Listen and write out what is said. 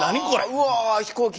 うわ飛行機。